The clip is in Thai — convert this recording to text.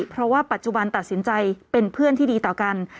เพราะว่าปัจจุบันตัดสินใจเป็นเพื่อนที่ดีต่อกัน